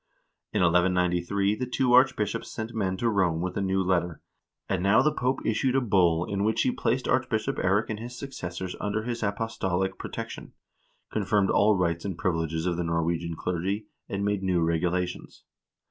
In 1193 the two archbishops sent men to Rome with a new letter, and now the Pope issued a bull in which he placed Archbishop Eirik and his successors under his apostolic protection, confirmed all rights and privileges of the Norwegian clergy, and made new regulations.